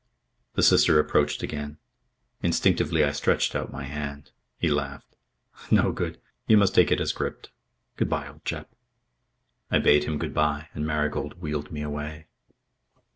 The Sister approached again. Instinctively I stretched out my hand. He laughed. "No good. You must take it as gripped. Goodbye, old chap." I bade him good bye and Marigold wheeled me away.